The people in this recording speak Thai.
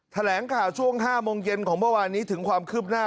แถลงข่าวช่วง๕โมงเย็นของเมื่อวานนี้ถึงความคืบหน้า